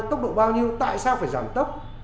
tốc độ bao nhiêu tại sao phải giảm tốc